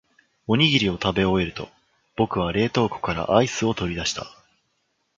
おにぎりを食べ終えると、僕は冷凍庫からアイスを取り出した。